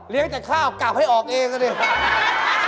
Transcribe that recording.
เลี้ยงแต่ข้าวกลับให้ออกเองสิ